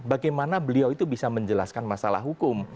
bagaimana beliau itu bisa menjelaskan masalah hukum